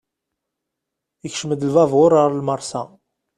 Ikcem-d lbabur ɣer lmersa.